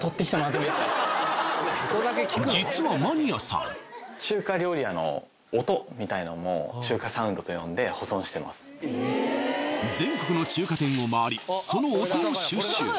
実はマニアさんみたいなのも中華サウンドと呼んで保存してます全国の中華店を回りその音を収集